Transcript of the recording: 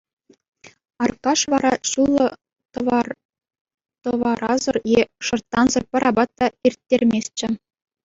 Аркаш вара ҫуллӑ тӑварасӑр е шӑрттансӑр пӗр апат та ирттерместчӗ.